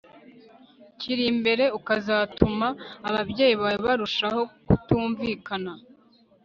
kiri imbere ukazatuma ababyeyi bawe barushaho kutumvikana